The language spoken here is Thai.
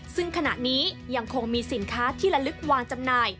ซึ่งขณะนี้ยังคงมีสินค้าที่ละลึกวางจำหน่าย